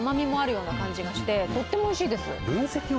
ような感じがしてとってもおいしいです。